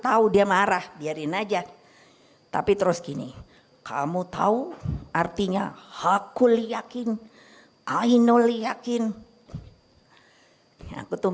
tahu dia marah biarin aja tapi terus gini kamu tahu artinya hakul yakin ainul yakin aku tuh